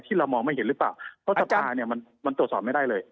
เรามองไม่เห็นหรือเปล่าเพราะสภาเนี่ยมันตรวจสอบไม่ได้เลย